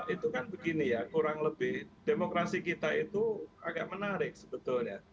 itu kan begini ya kurang lebih demokrasi kita itu agak menarik sebetulnya